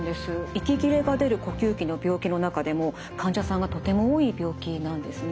息切れが出る呼吸器の病気の中でも患者さんがとても多い病気なんですね。